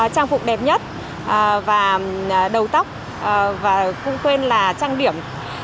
trang phục đẹp nhất và đầu tóc và cũng quên là trang điểm